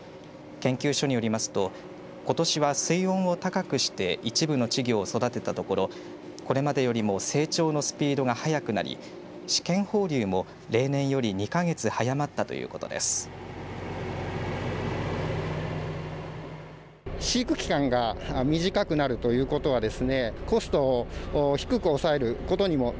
研究所によりますとことしは、水温を高くして一部の稚魚を育てたところこれまでよりも成長のスピードが速くなり試験放流も例年より２か月早まったということです。